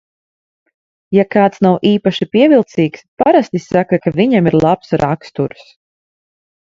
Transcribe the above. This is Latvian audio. Ja kāds nav īpaši pievilcīgs, parasti saka, ka viņam ir labs raksturs.